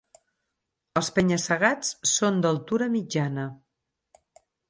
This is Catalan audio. Els penya-segats són d'altura mitjana.